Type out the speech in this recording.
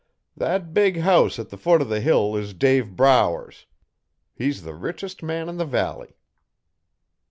That big house at the foot o' the hill is Dave Brower's. He's the richest man in the valley.'